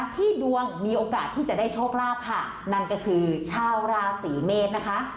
ที่ดวงมีโอกาสที่จะได้โชคลาภค่ะนั่นก็คือชาวราศีเมษนะคะ